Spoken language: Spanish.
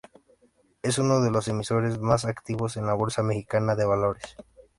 Es uno de los emisores más activos en la Bolsa Mexicana de Valores.